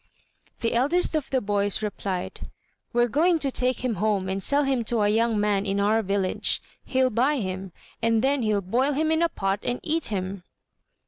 The eldest of the boys replied, "We're going to take him home and sell him to a young man in our village. He'll buy him, and then he'll boil him in a pot and eat him."